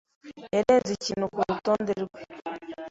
yarenze ikintu kurutonde rwe.